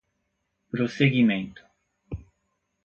prosseguimento